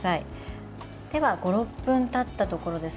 では５６分たったところです。